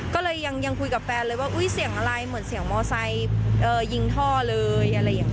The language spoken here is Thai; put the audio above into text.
ก็เลยยังคุยกับแฟนเลยว่าเฮ้ยเสียงอะไรเหมือนเสียงมอไซด์ยิงท่อเลย